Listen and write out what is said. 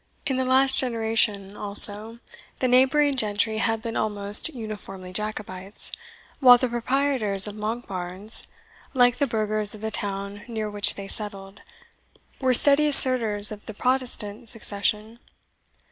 In the last generation, also, the neighbouring gentry had been almost uniformly Jacobites, while the proprietors of Monkbarns, like the burghers of the town near which they were settled, were steady assertors of the Protestant succession.